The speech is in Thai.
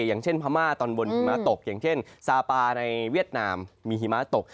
อย่างเช่นพม่าตอนบนหิมะตกอย่างเช่นซาปาในเวียดนามมีหิมะตก